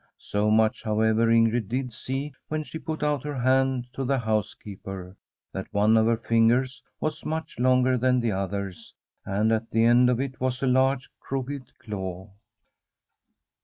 So much, however, Ingrid did see when she put out her hand to the housekeeper — ^that one of her fingers was much longer than the others, and at the end of it was a large, crooked claw.